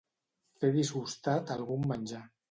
Fer disgustat algun menjar.